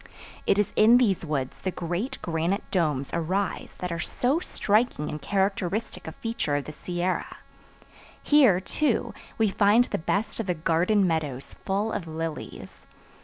It is in these woods the great granite domes arise that are so striking and characteristic a feature of the Sierra. Here, too, we find the best of the garden meadows full of lilies.